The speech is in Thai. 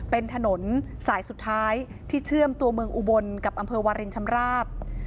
เป็นถนนสายสุดท้ายที่เชื่อมตัวเมืองอุบลกับอำเภอวารินชำราบ